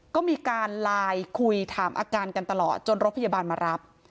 ก็มีการไลน์คุยถามอาการกันตลอดจนรถพยาบาลมารับ